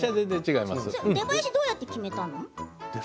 どうやって決めたの？